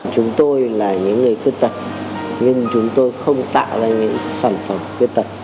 chúng tôi là những người khuyết tật nhưng chúng tôi không tạo ra những sản phẩm khuyết tật